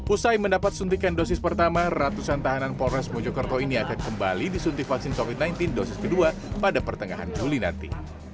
usai mendapat suntikan dosis pertama ratusan tahanan polres mojokerto ini akan kembali disuntik vaksin covid sembilan belas dosis kedua pada pertengahan juli nanti